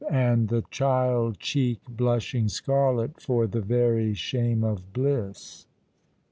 "and the child cheek blushing scarlet for the veky shame of bliss."